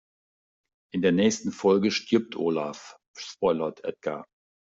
In der nächsten Folge stirbt Olaf, spoilert Edgar.